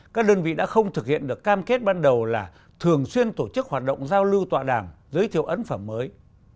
các đơn vị đã không thực hiện được cam kết ban đầu là thường xuyên tổ chức hoạt động giao lưu tọa đàm giới thiệu ấn phẩm mới